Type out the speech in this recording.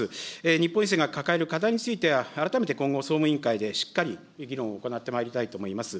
日本郵政が抱える課題については、改めて今後総務委員会で、しっかり議論を行ってまいりたいと思います。